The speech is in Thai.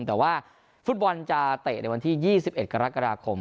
แต่ว่าฟุตบอลจะเตะในวันที่๒๑กรกฎาคม